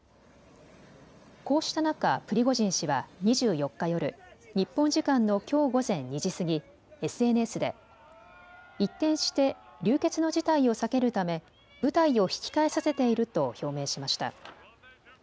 こうした中、プリゴジン氏は２４日夜、日本時間のきょう午前２時過ぎ、ＳＮＳで一転して流血の事態を避けるため部隊を引き返させていると表明しました。